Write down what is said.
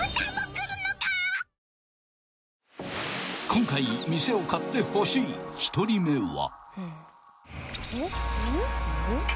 ［今回店を買ってほしい１人目は］